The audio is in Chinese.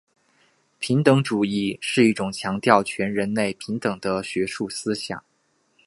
平等主义是一种强调全人类平等的学术思想。